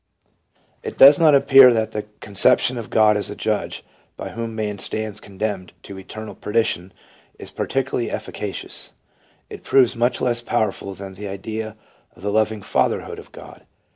It does not appear that the conception of God as a Judge by whom man stands condemned to eternal perdition, is par ticularly efficacious ; it proves much less powerful than the idea of thejloving Fatherhood of God.